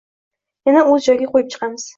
Yana o’z joyiga qo’yib chiqamiz.